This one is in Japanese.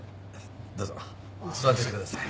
どうぞ座っててください。